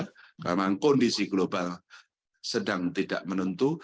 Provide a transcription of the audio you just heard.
karena kondisi global sedang tidak menentu